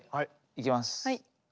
いきます。